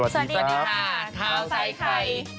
สวัสดีค่ะข้าวใส่ไข่